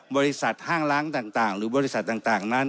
ห้างล้างต่างหรือบริษัทต่างนั้น